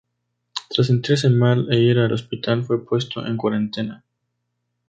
Tras sentirse mal e ir al hospital, fue puesto en cuarentena.